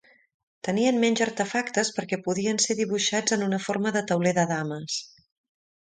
Tenien menys artefactes perquè podien ser dibuixats en una forma de tauler de dames.